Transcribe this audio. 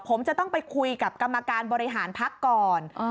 ผมจะต้องไปคุยกับกรรมการบริหารพักก่อน